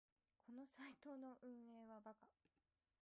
このサイトの運営はバカ